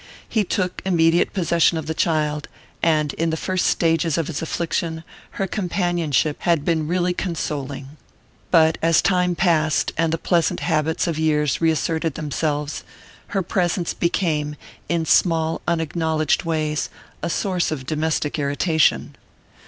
He took immediate possession of the child, and in the first stages of his affliction her companionship had been really consoling. But as time passed, and the pleasant habits of years reasserted themselves, her presence became, in small unacknowledged ways, a source of domestic irritation.